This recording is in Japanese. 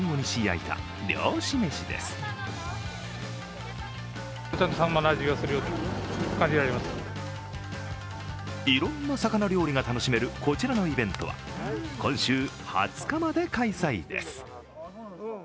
いろんな魚料理が楽しめるこちらのイベントは今週２０日まで開催です。